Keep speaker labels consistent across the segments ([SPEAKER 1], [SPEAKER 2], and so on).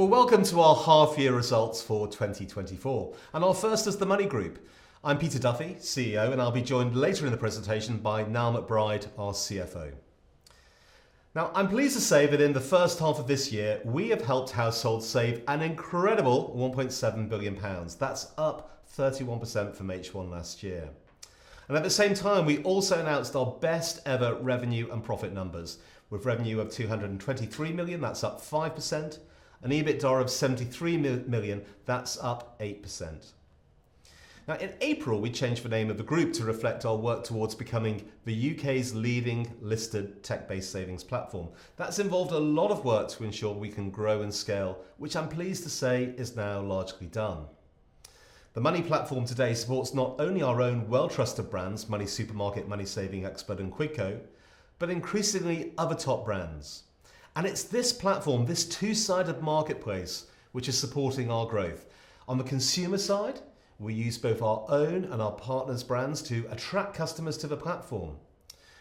[SPEAKER 1] Well, welcome to our half year results for 2024, and our first as the MONY Group. I'm Peter Duffy, CEO, and I'll be joined later in the presentation by Niall McBride, our CFO. Now, I'm pleased to say that in the first half of this year, we have helped households save an incredible 1.7 billion pounds. That's up 31% from H1 last year. At the same time, we also announced our best-ever revenue and profit numbers, with revenue of 223 million, that's up 5%, and EBITDA of 73 million, that's up 8%. Now, in April, we changed the name of the group to reflect our work towards becoming the U.K.'s leading listed tech-based savings platform. That's involved a lot of work to ensure we can grow and scale, which I'm pleased to say is now largely done. The Money Platform today supports not only our own well-trusted brands, MoneySuperMarket, MoneySavingExpert, and Quidco, but increasingly other top brands. It's this platform, this two-sided marketplace, which is supporting our growth. On the consumer side, we use both our own and our partners' brands to attract customers to the platform,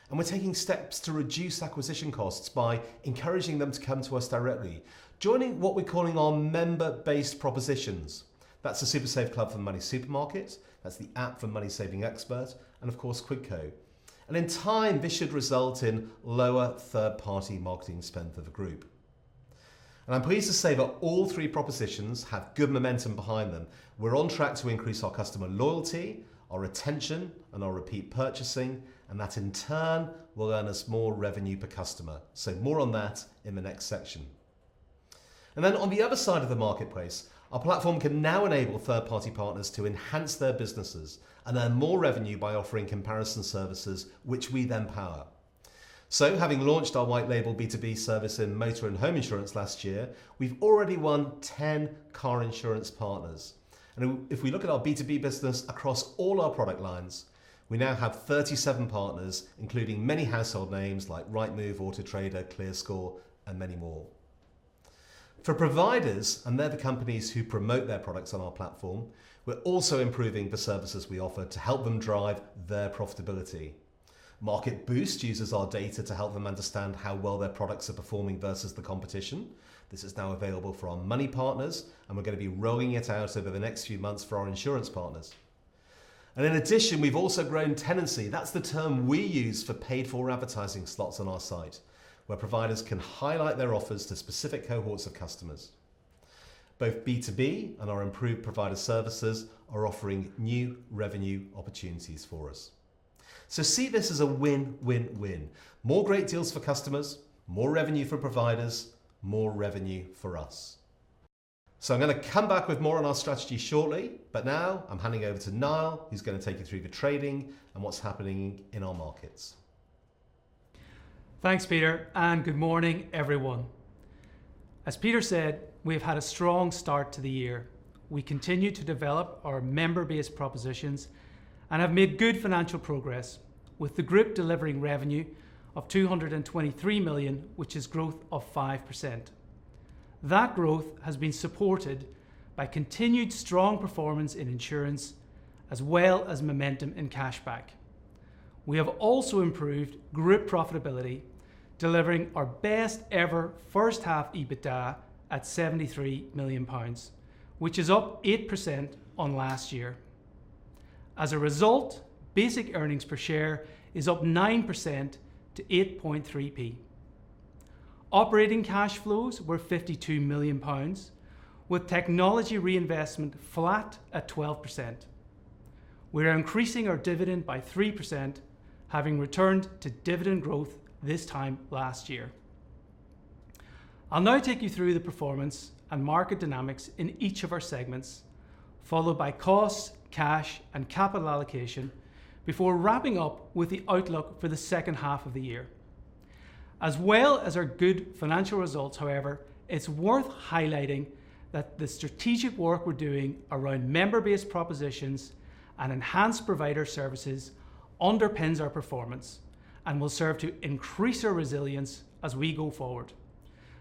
[SPEAKER 1] and we're taking steps to reduce acquisition costs by encouraging them to come to us directly, joining what we're calling our member-based propositions. That's the SuperSaveClub for MoneySuperMarket, that's the app for MoneySavingExpert, and of course, Quidco. In time, this should result in lower third-party marketing spend for the group. I'm pleased to say that all three propositions have good momentum behind them. We're on track to increase our customer loyalty, our retention, and our repeat purchasing, and that, in turn, will earn us more revenue per customer. So more on that in the next section. Then on the other side of the marketplace, our platform can now enable third-party partners to enhance their businesses and earn more revenue by offering comparison services, which we then power. Having launched our white label B2B service in motor and home insurance last year, we've already won 10 car insurance partners. If we look at our B2B business across all our product lines, we now have 37 partners, including many household names like Rightmove, Auto Trader, ClearScore, and many more. For providers, and they're the companies who promote their products on our platform, we're also improving the services we offer to help them drive their profitability. Market Boost uses our data to help them understand how well their products are performing versus the competition. This is now available for our Money partners, and we're gonna be rolling it out over the next few months for our insurance partners. In addition, we've also grown tenancy. That's the term we use for paid-for advertising slots on our site, where providers can highlight their offers to specific cohorts of customers. Both B2B and our improved provider services are offering new revenue opportunities for us. See this as a win, win, win. More great deals for customers, more revenue for providers, more revenue for us. I'm gonna come back with more on our strategy shortly, but now I'm handing over to Niall, who's gonna take you through the trading and what's happening in our markets.
[SPEAKER 2] Thanks, Peter, and good morning, everyone. As Peter said, we have had a strong start to the year. We continue to develop our member-based propositions and have made good financial progress with the group delivering revenue of 223 million, which is growth of 5%. That growth has been supported by continued strong performance in insurance, as well as momentum in cashback. We have also improved group profitability, delivering our best-ever first-half EBITDA at 73 million pounds, which is up 8% on last year. As a result, basic earnings per share is up 9% to 8.3. Operating cash flows were 52 million pounds, with technology reinvestment flat at 12%. We are increasing our dividend by 3%, having returned to dividend growth this time last year. I'll now take you through the performance and market dynamics in each of our segments, followed by costs, cash, and capital allocation, before wrapping up with the outlook for the second half of the year. As well as our good financial results, however, it's worth highlighting that the strategic work we're doing around member-based propositions and enhanced provider services underpins our performance and will serve to increase our resilience as we go forward.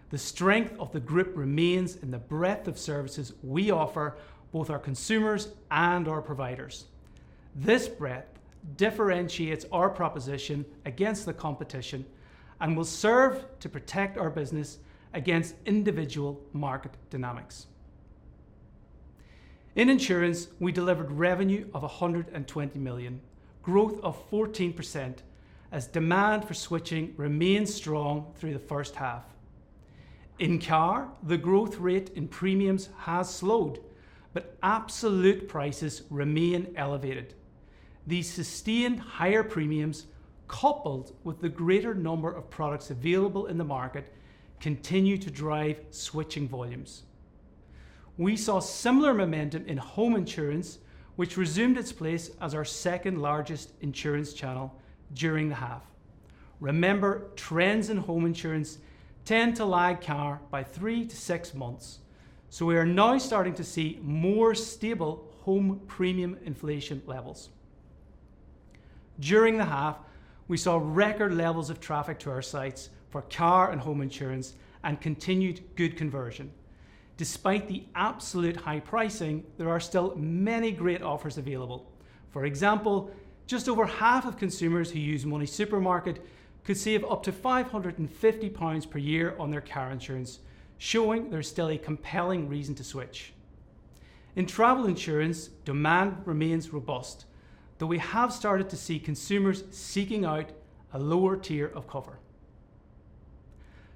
[SPEAKER 2] The strength of the group remains in the breadth of services we offer both our consumers and our providers. This breadth differentiates our proposition against the competition and will serve to protect our business against individual market dynamics. In insurance, we delivered revenue of 120 million, growth of 14%, as demand for switching remained strong through the first half. In car, the growth rate in premiums has slowed, but absolute prices remain elevated. These sustained higher premiums, coupled with the greater number of products available in the market, continue to drive switching volumes. We saw similar momentum in home insurance, which resumed its place as our second-largest insurance channel during the half. Remember, trends in home insurance tend to lag car by three, six months, so we are now starting to see more stable home premium inflation levels. During the half, we saw record levels of traffic to our sites for car and home insurance and continued good conversion. Despite the absolute high pricing, there are still many great offers available. For example, just over half of consumers who use MoneySuperMarket could save up to 550 pounds per year on their car insurance, showing there's still a compelling reason to switch. In travel insurance, demand remains robust, though we have started to see consumers seeking out a lower tier of cover.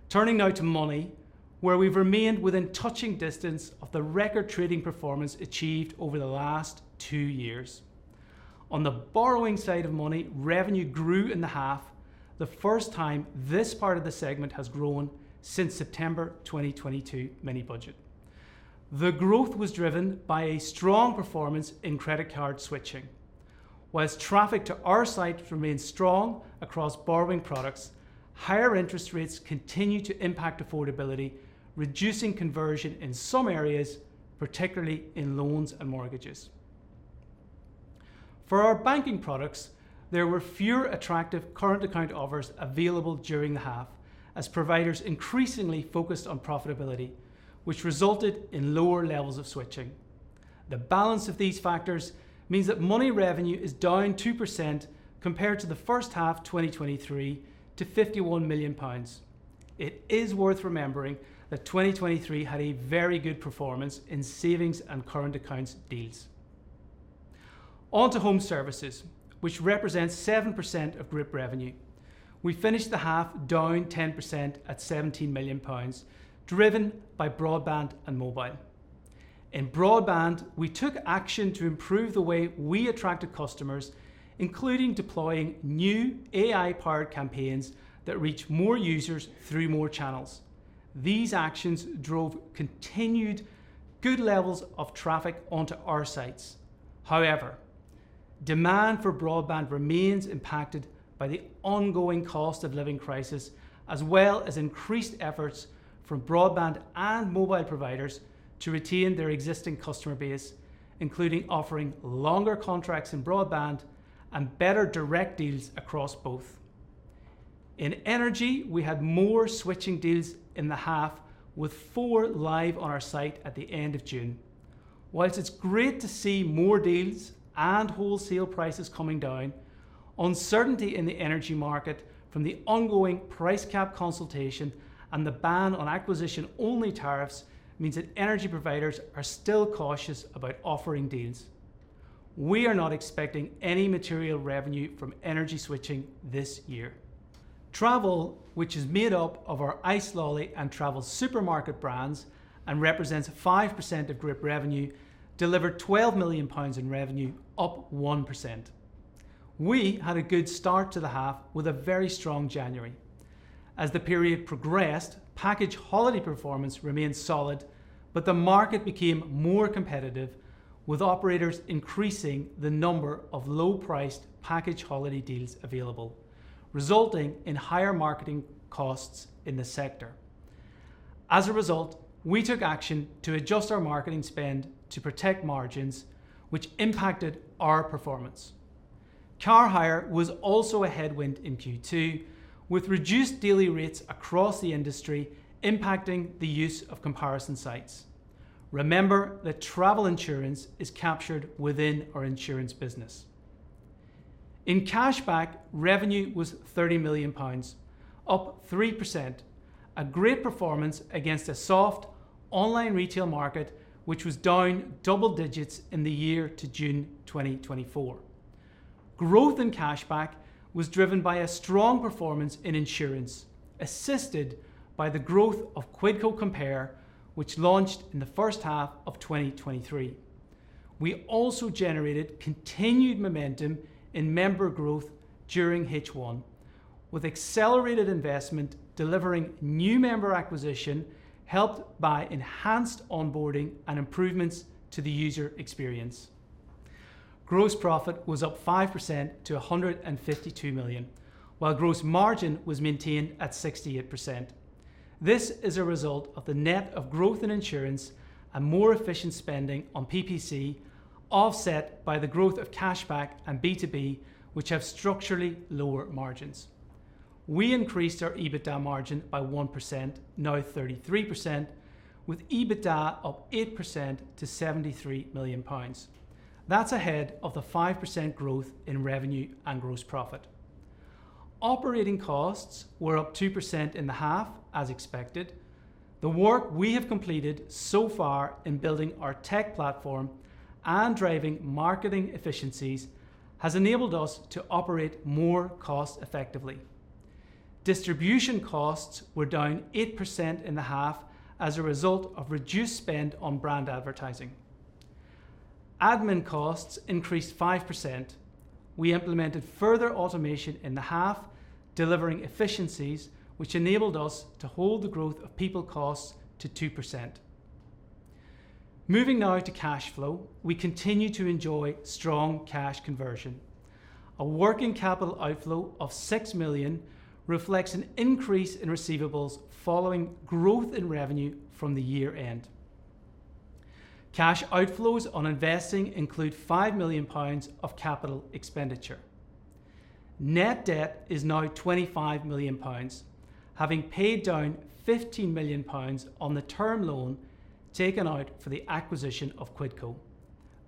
[SPEAKER 2] Turning now to money, where we've remained within touching distance of the record trading performance achieved over the last two years. On the borrowing side of money, revenue grew in the half, the first time this part of the segment has grown since September 2022 Mini-Budget. The growth was driven by a strong performance in credit card switching. Whilst traffic to our site remains strong across borrowing products, higher interest rates continue to impact affordability, reducing conversion in some areas, particularly in loans and mortgages. For our banking products, there were fewer attractive current account offers available during the half, as providers increasingly focused on profitability, which resulted in lower levels of switching. The balance of these factors means that money revenue is down 2% compared to the first half 2023 to 51 million pounds. It is worth remembering that 2023 had a very good performance in savings and current accounts deals. On to home services, which represents 7% of group revenue. We finished the half down 10% at 17 million pounds, driven by broadband and mobile. In broadband, we took action to improve the way we attracted customers, including deploying new AI-powered campaigns that reach more users through more channels. These actions drove continued good levels of traffic onto our sites. However, demand for broadband remains impacted by the ongoing cost of living crisis, as well as increased efforts from broadband and mobile providers to retain their existing customer base, including offering longer contracts in broadband and better direct deals across both. In energy, we had more switching deals in the half, with four live on our site at the end of June. While it's great to see more deals and wholesale prices coming down, uncertainty in the energy market from the ongoing price cap consultation and the ban on acquisition-only tariffs means that energy providers are still cautious about offering deals. We are not expecting any material revenue from energy switching this year. Travel, which is made up of our icelolly.com and TravelSupermarket brands and represents 5% of group revenue, delivered 12 million pounds in revenue, up 1%. We had a good start to the half with a very strong January. As the period progressed, package holiday performance remained solid, but the market became more competitive, with operators increasing the number of low-priced package holiday deals available, resulting in higher marketing costs in the sector. As a result, we took action to adjust our marketing spend to protect margins, which impacted our performance. Car hire was also a headwind in Q2, with reduced daily rates across the industry impacting the use of comparison sites. Remember that travel insurance is captured within our insurance business. In cashback, revenue was 30 million pounds, up 3%, a great performance against a soft online retail market, which was down double digits in the year to June 2024. Growth in cashback was driven by a strong performance in insurance, assisted by the growth of Quidco Compare, which launched in the first half of 2023. We also generated continued momentum in member growth during H1, with accelerated investment delivering new member acquisition, helped by enhanced onboarding and improvements to the user experience. Gross profit was up 5% to 152 million, while gross margin was maintained at 68%. This is a result of the net of growth in insurance and more efficient spending on PPC, offset by the growth of cashback and B2B, which have structurally lower margins. We increased our EBITDA margin by 1%, now 33%, with EBITDA up 8% to 73 million pounds. That's ahead of the 5% growth in revenue and gross profit. Operating costs were up 2% in the half, as expected. The work we have completed so far in building our tech platform and driving marketing efficiencies has enabled us to operate more cost-effectively. Distribution costs were down 8% in the half as a result of reduced spend on brand advertising. Admin costs increased 5%. We implemented further automation in the half, delivering efficiencies, which enabled us to hold the growth of people costs to 2%. Moving now to cash flow, we continue to enjoy strong cash conversion. A working capital outflow of 6 million reflects an increase in receivables following growth in revenue from the year-end. Cash outflows on investing include 5 million pounds of capital expenditure. Net debt is now 25 million pounds, having paid down 15 million pounds on the term loan taken out for the acquisition of Quidco.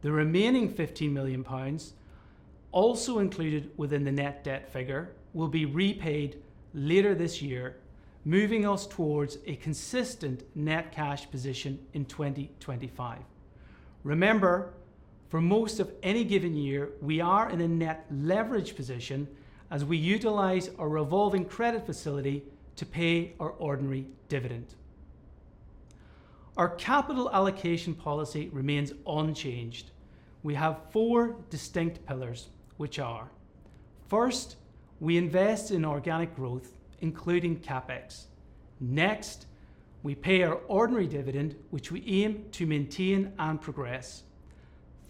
[SPEAKER 2] The remaining 50 million pounds, also included within the net debt figure, will be repaid later this year, moving us towards a consistent net cash position in 2025. Remember, for most of any given year, we are in a net leverage position as we utilize our revolving credit facility to pay our ordinary dividend. Our capital allocation policy remains unchanged. We have four distinct pillars, which are: first, we invest in organic growth, including CAPEX. Next, we pay our ordinary dividend, which we aim to maintain and progress.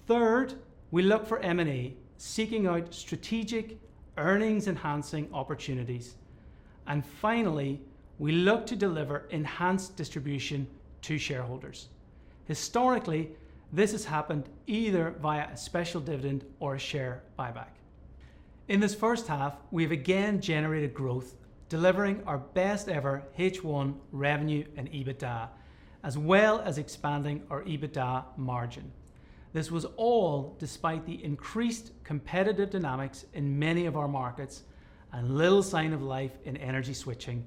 [SPEAKER 2] Third, we look for M&A, seeking out strategic earnings-enhancing opportunities. And finally, we look to deliver enhanced distribution to shareholders. Historically, this has happened either via a special dividend or a share buyback. In this first half, we've again generated growth, delivering our best ever H1 revenue and EBITDA, as well as expanding our EBITDA margin. This was all despite the increased competitive dynamics in many of our markets and little sign of life in energy switching,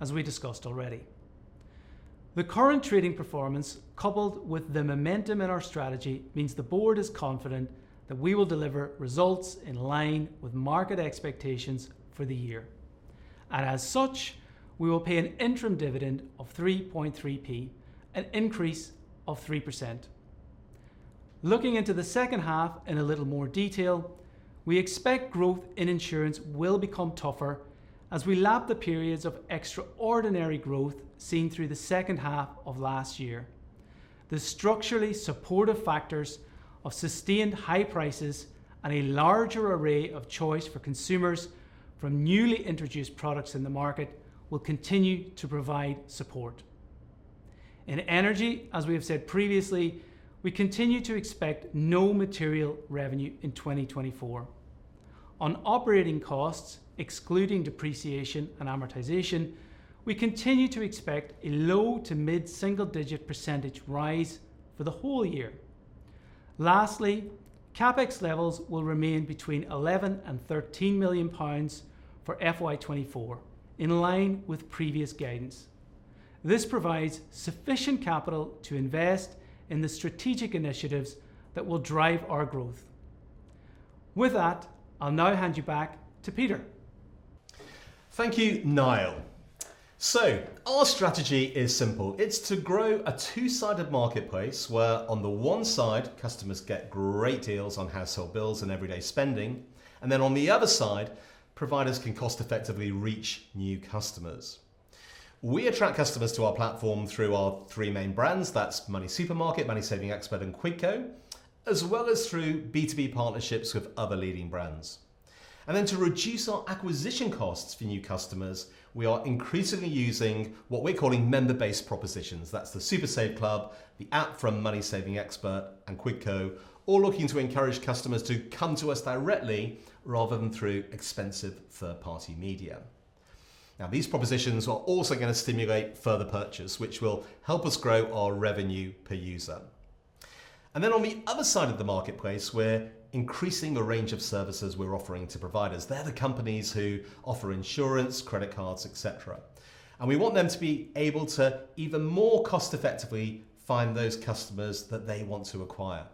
[SPEAKER 2] as we discussed already. The current trading performance, coupled with the momentum in our strategy, means the board is confident that we will deliver results in line with market expectations for the year. As such, we will pay an interim dividend of 3.3, an increase of 3%. Looking into the second half in a little more detail, we expect growth in insurance will become tougher as we lap the periods of extraordinary growth seen through the second half of last year. The structurally supportive factors of sustained high prices and a larger array of choice for consumers from newly introduced products in the market will continue to provide support. In energy, as we have said previously, we continue to expect no material revenue in 2024. On operating costs, excluding depreciation and amortization, we continue to expect a low- to mid-single-digit % rise for the whole year. Lastly, CAPEX levels will remain between 11 million and 13 million pounds for FY 2024, in line with previous guidance. This provides sufficient capital to invest in the strategic initiatives that will drive our growth. With that, I'll now hand you back to Peter.
[SPEAKER 1] Thank you, Niall. So our strategy is simple: It's to grow a two-sided marketplace, where on the one side, customers get great deals on household bills and everyday spending, and then on the other side, providers can cost-effectively reach new customers. We attract customers to our platform through our three main brands. That's MoneySuperMarket, MoneySavingExpert, and Quidco, as well as through B2B partnerships with other leading brands. To reduce our acquisition costs for new customers, we are increasingly using what we're calling member-based propositions. That's the SuperSaveClub, the app from MoneySavingExpert and Quidco, all looking to encourage customers to come to us directly rather than through expensive third-party media. Now, these propositions are also going to stimulate further purchase, which will help us grow our revenue per user. And then on the other side of the marketplace, we're increasing the range of services we're offering to providers. They're the companies who offer insurance, credit cards, et cetera, and we want them to be able to even more cost-effectively find those customers that they want to acquire.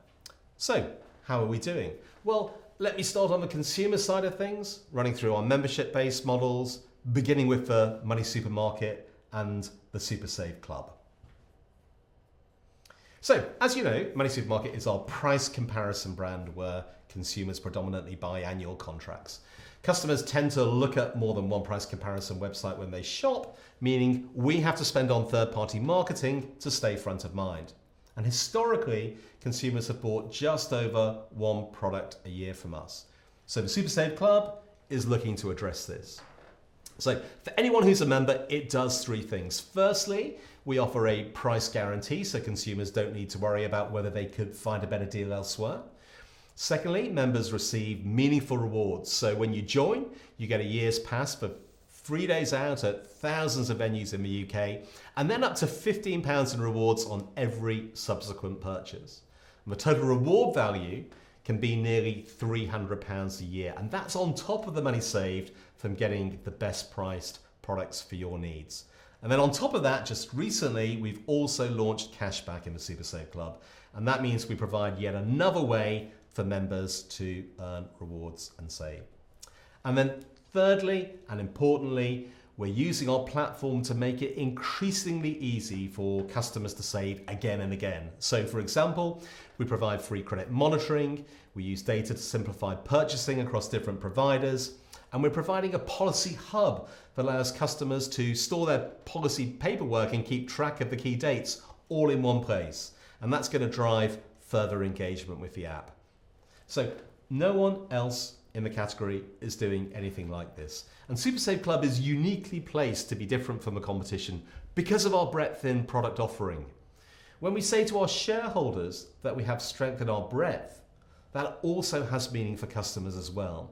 [SPEAKER 1] So how are we doing? Well, let me start on the consumer side of things, running through our membership-based models, beginning with the MoneySuperMarket and the SuperSaveClub. So, as you know, MoneySuperMarket is our price comparison brand, where consumers predominantly buy annual contracts. Customers tend to look at more than one price comparison website when they shop, meaning we have to spend on third-party marketing to stay front of mind. And historically, consumers have bought just over one product a year from us. So the SuperSaveClub is looking to address this. So for anyone who's a member, it does three things: firstly, we offer a price guarantee, so consumers don't need to worry about whether they could find a better deal elsewhere. Secondly, members receive meaningful rewards. So when you join, you get a year's pass for three days out at thousands of venues in the U.K., and then up to 15 pounds in rewards on every subsequent purchase. The total reward value can be nearly 300 pounds a year, and that's on top of the money saved from getting the best-priced products for your needs. And then on top of that, just recently, we've also launched cashback in the SuperSaveClub, and that means we provide yet another way for members to earn rewards and save. And then thirdly, and importantly, we're using our platform to make it increasingly easy for customers to save again and again. So, for example, we provide free credit monitoring, we use data to simplify purchasing across different providers, and we're providing a policy hub that allows customers to store their policy paperwork and keep track of the key dates all in one place, and that's going to drive further engagement with the app. So no one else in the category is doing anything like this, and SuperSaveClub is uniquely placed to be different from the competition because of our breadth in product offering. When we say to our shareholders that we have strengthened our breadth. That also has meaning for customers as well.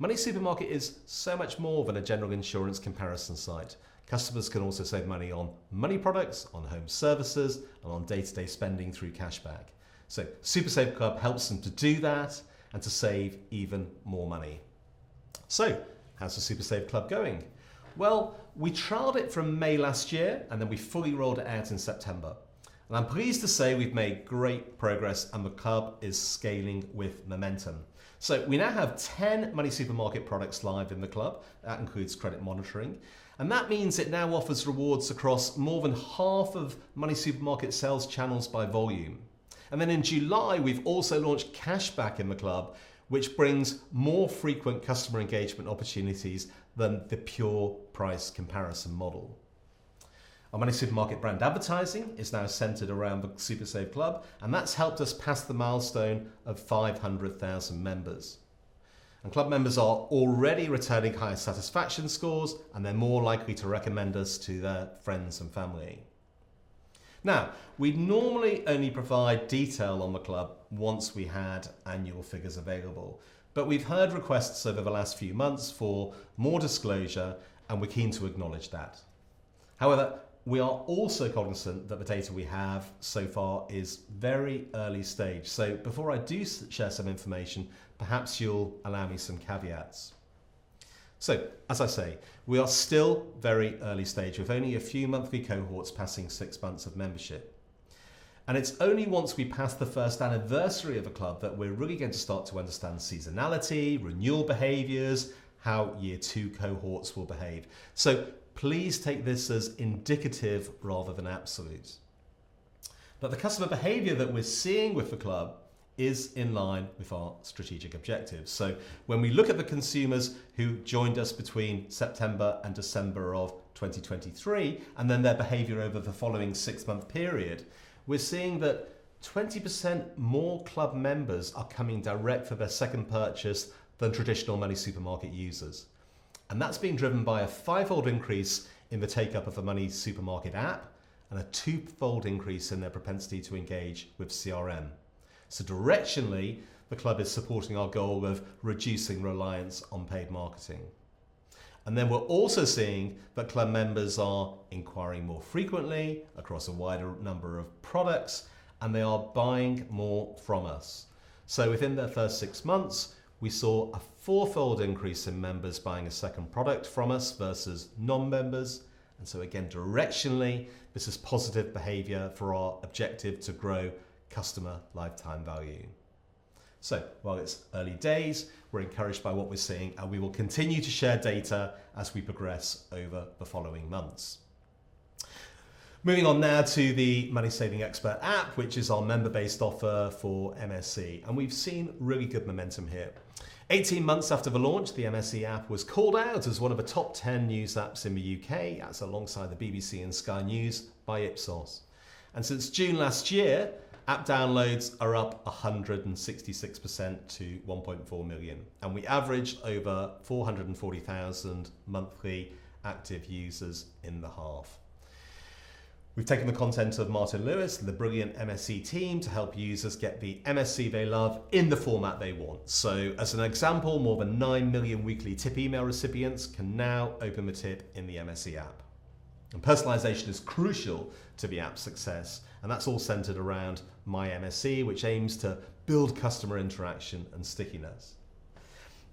[SPEAKER 1] MoneySuperMarket is so much more than a general insurance comparison site. Customers can also save money on money products, on home services, and on day-to-day spending through cashback. So SuperSaveClub helps them to do that and to save even more money. So how's the SuperSaveClub going? Well, we trialed it from May last year, and then we fully rolled it out in September. And I'm pleased to say we've made great progress, and the club is scaling with momentum. So we now have 10 MoneySuperMarket products live in the club. That includes credit monitoring, and that means it now offers rewards across more than half of MoneySuperMarket sales channels by volume. And then in July, we've also launched cashback in the club, which brings more frequent customer engagement opportunities than the pure price comparison model. Our MoneySuperMarket brand advertising is now centered around the SuperSaveClub, and that's helped us pass the milestone of 500,000 members. And club members are already returning higher satisfaction scores, and they're more likely to recommend us to their friends and family. Now, we'd normally only provide detail on the club once we had annual figures available, but we've heard requests over the last few months for more disclosure, and we're keen to acknowledge that. However, we are also cognizant that the data we have so far is very early stage. So before I do share some information, perhaps you'll allow me some caveats. So, as I say, we are still very early stage, with only a few monthly cohorts passing six months of membership. It's only once we pass the first anniversary of the club that we're really going to start to understand seasonality, renewal behaviors, how year two cohorts will behave. So please take this as indicative rather than absolute. The customer behavior that we're seeing with the club is in line with our strategic objectives. So when we look at the consumers who joined us between September and December of 2023, and then their behavior over the following six-month period, we're seeing that 20% more club members are coming direct for their second purchase than traditional MoneySuperMarket users. That's being driven by a fivefold increase in the take-up of the MoneySuperMarket app and a twofold increase in their propensity to engage with CRM. Directionally, the club is supporting our goal of reducing reliance on paid marketing. Then we're also seeing that club members are inquiring more frequently across a wider number of products, and they are buying more from us. So within their first six months, we saw a fourfold increase in members buying a second product from us versus non-members. Again, directionally, this is positive behavior for our objective to grow customer lifetime value. So while it's early days, we're encouraged by what we're seeing, and we will continue to share data as we progress over the following months. Moving on now to the MoneySavingExpert app, which is our member-based offer for MSE, and we've seen really good momentum here. 18 months after the launch, the MSE app was called out as one of the top 10 news apps in the U.K., that's alongside the BBC and Sky News, by Ipsos. And since June last year, app downloads are up 166% to 1.4 million, and we averaged over 440,000 monthly active users in the half. We've taken the content of Martin Lewis and the brilliant MSE team to help users get the MSE they love in the format they want. As an example, more than 9 million weekly tip email recipients can now open the tip in the MSE app. Personalization is crucial to the app's success, and that's all centered around My MSE, which aims to build customer interaction and stickiness.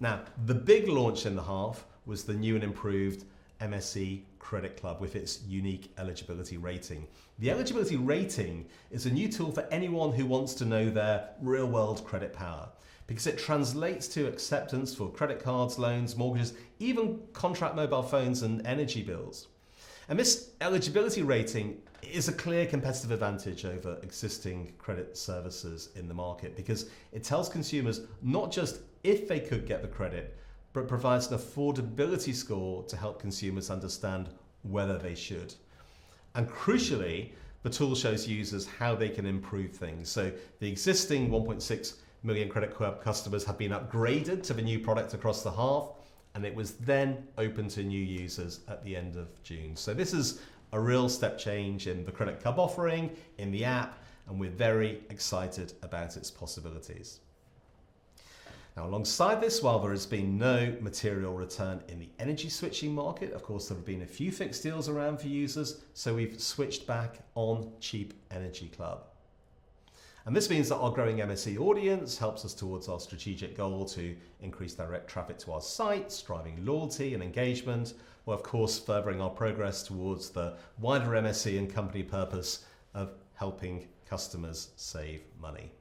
[SPEAKER 1] Now, the big launch in the half was the new and improved MSE Credit Club, with its unique eligibility rating. The eligibility rating is a new tool for anyone who wants to know their real-world credit power because it translates to acceptance for credit cards, loans, mortgages, even contract mobile phones and energy bills. This eligibility rating is a clear competitive advantage over existing credit services in the market because it tells consumers not just if they could get the credit, but provides an affordability score to help consumers understand whether they should. Crucially, the tool shows users how they can improve things. So the existing 1.6 million Credit Club customers have been upgraded to the new product across the half, and it was then opened to new users at the end of June. So this is a real step change in the Credit Club offering in the app, and we're very excited about its possibilities. Now, alongside this, while there has been no material return in the energy switching market, of course, there have been a few fixed deals around for users, so we've switched back on Cheap Energy Club. And this means that our growing MSE audience helps us towards our strategic goal to increase direct traffic to our sites, driving loyalty and engagement, while, of course, furthering our progress towards the wider MSE and company purpose of helping customers save money.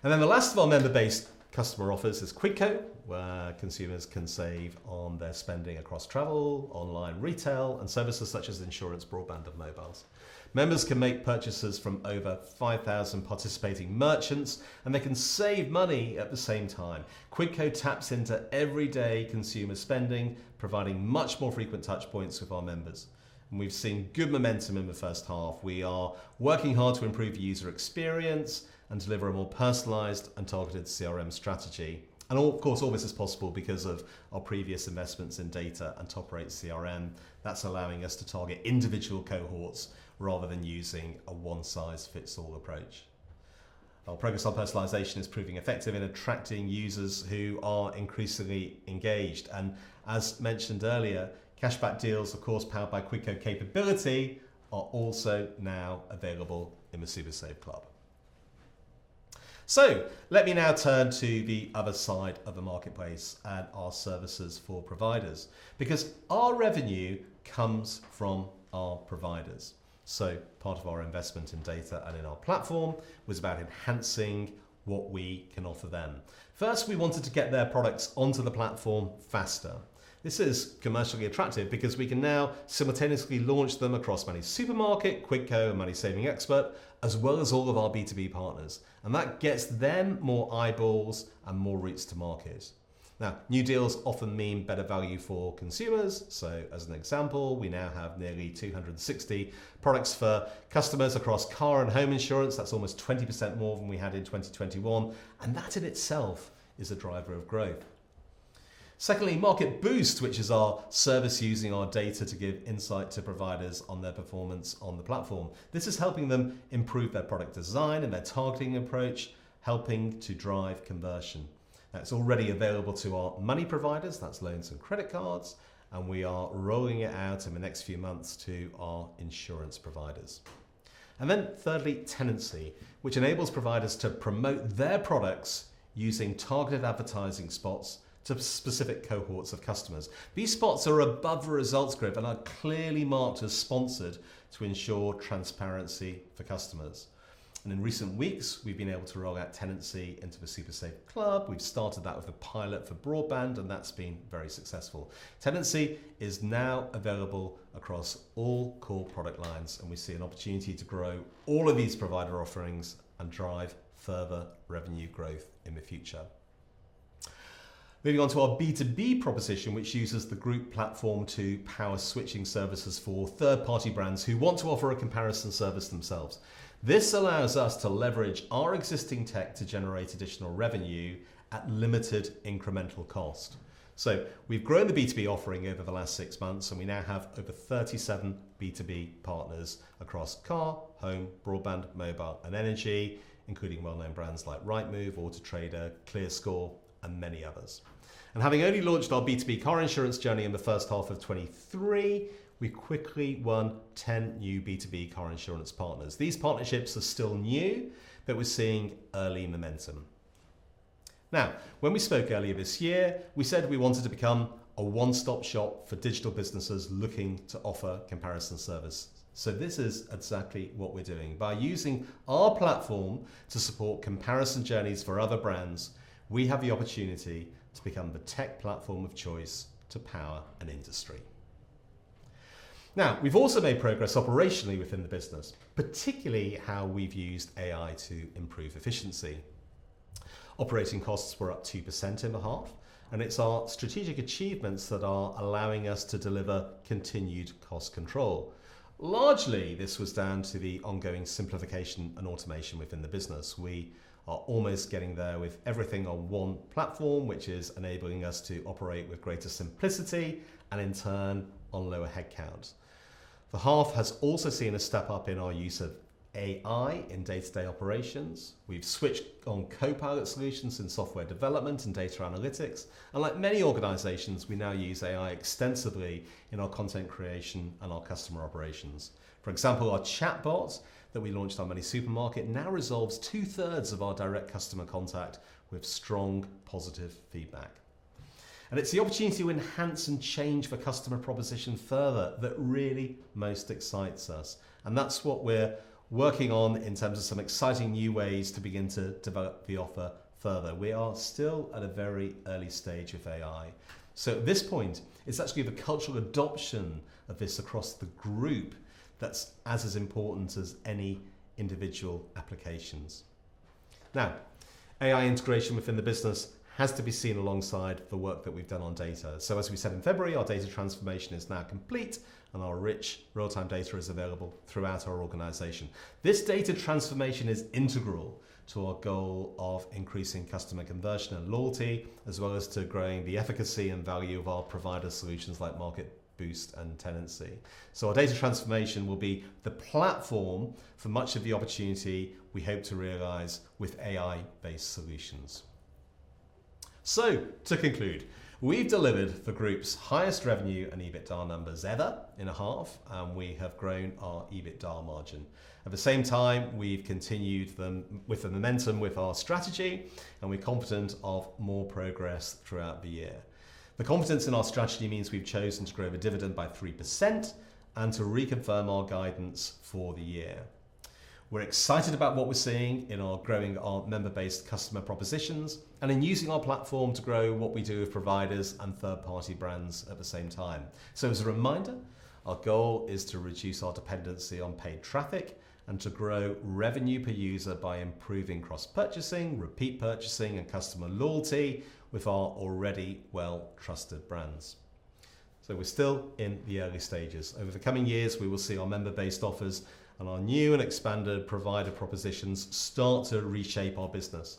[SPEAKER 1] Then the last of our member-based customer offers is Quidco, where consumers can save on their spending across travel, online retail, and services such as insurance, broadband, and mobiles. Members can make purchases from over 5,000 participating merchants, and they can save money at the same time. Quidco taps into everyday consumer spending, providing much more frequent touch points with our members, and we've seen good momentum in the first half. We are working hard to improve user experience and deliver a more personalized and targeted CRM strategy. Of course, all this is possible because of our previous investments in data and top-rate CRM. That's allowing us to target individual cohorts rather than using a one-size-fits-all approach. Our progress on personalization is proving effective in attracting users who are increasingly engaged. As mentioned earlier, cashback deals, of course, powered by Quidco capability, are also now available in the SuperSaveClub. Let me now turn to the other side of the marketplace and our services for providers, because our revenue comes from our providers. Part of our investment in data and in our platform was about enhancing what we can offer them. First, we wanted to get their products onto the platform faster. This is commercially attractive because we can now simultaneously launch them across MoneySuperMarket, Quidco, and MoneySavingExpert, as well as all of our B2B partners, and that gets them more eyeballs and more routes to market. Now, new deals often mean better value for consumers. As an example, we now have nearly 260 products for customers across car and home insurance. That's almost 20% more than we had in 2021, and that in itself is a driver of growth. Secondly, Market Boost, which is our service using our data to give insight to providers on their performance on the platform. This is helping them improve their product design and their targeting approach, helping to drive conversion. That's already available to our money providers, that's loans and credit cards, and we are rolling it out in the next few months to our insurance providers. And then thirdly, Tenancy, which enables providers to promote their products using targeted advertising spots to specific cohorts of customers. These spots are above the results group and are clearly marked as sponsored to ensure transparency for customers. And in recent weeks, we've been able to roll out Tenancy into the SuperSaveClub. We've started that with a pilot for broadband, and that's been very successful. Tenancy is now available across all core product lines, and we see an opportunity to grow all of these provider offerings and drive further revenue growth in the future. Moving on to our B2B proposition, which uses the group platform to power switching services for third-party brands who want to offer a comparison service themselves. This allows us to leverage our existing tech to generate additional revenue at limited incremental cost. So we've grown the B2B offering over the last six months, and we now have over 37 B2B partners across car, home, broadband, mobile, and energy, including well-known brands like Rightmove, Auto Trader, ClearScore, and many others. And having only launched our B2B car insurance journey in the first half of 2023, we quickly won 10 new B2B car insurance partners. These partnerships are still new, but we're seeing early momentum. Now, when we spoke earlier this year, we said we wanted to become a one-stop shop for digital businesses looking to offer comparison service. So this is exactly what we're doing. By using our platform to support comparison journeys for other brands, we have the opportunity to become the tech platform of choice to power an industry. Now, we've also made progress operationally within the business, particularly how we've used AI to improve efficiency. Operating costs were up 2% in the half, and it's our strategic achievements that are allowing us to deliver continued cost control. Largely, this was down to the ongoing simplification and automation within the business. We are almost getting there with everything on one platform, which is enabling us to operate with greater simplicity and in turn, on lower headcount. The half has also seen a step up in our use of AI in day-to-day operations. We've switched on Copilot solutions in software development and data analytics, and like many organizations, we now use AI extensively in our content creation and our customer operations. For example, our chatbot that we launched on MoneySuperMarket now resolves 2/3 of our direct customer contact with strong positive feedback. It's the opportunity to enhance and change the customer proposition further that really most excites us, and that's what we're working on in terms of some exciting new ways to begin to develop the offer further. We are still at a very early stage of AI, so at this point, it's actually the cultural adoption of this across the group that's as important as any individual applications. Now, AI integration within the business has to be seen alongside the work that we've done on data. So as we said in February, our data transformation is now complete, and our rich real-time data is available throughout our organization. This data transformation is integral to our goal of increasing customer conversion and loyalty, as well as to growing the efficacy and value of our provider solutions like Market Boost and Tenancy. So our data transformation will be the platform for much of the opportunity we hope to realize with AI-based solutions. So to conclude, we've delivered the group's highest revenue and EBITDA numbers ever in a half, and we have grown our EBITDA margin. At the same time, we've continued with the momentum with our strategy, and we're confident of more progress throughout the year. The confidence in our strategy means we've chosen to grow the dividend by 3% and to reconfirm our guidance for the year. We're excited about what we're seeing in our growing our member-based customer propositions and in using our platform to grow what we do with providers and third-party brands at the same time. So as a reminder, our goal is to reduce our dependency on paid traffic and to grow revenue per user by improving cross-purchasing, repeat purchasing, and customer loyalty with our already well-trusted brands. So we're still in the early stages. Over the coming years, we will see our member-based offers and our new and expanded provider propositions start to reshape our business.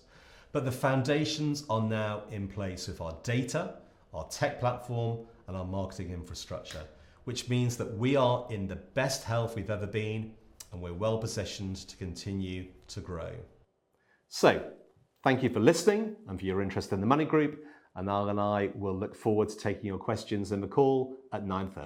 [SPEAKER 1] But the foundations are now in place with our data, our tech platform, and our marketing infrastructure, which means that we are in the best health we've ever been, and we're well-positioned to continue to grow. Thank you for listening and for your interest in the MONY Group, and Al and I will look forward to taking your questions in the call at 9:30.